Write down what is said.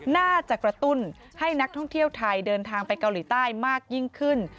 น่าจะกระตุ้นให้นักท่องเที่ยวไทยเดินทางไปเกาหลีใต้มากยิ่งขึ้น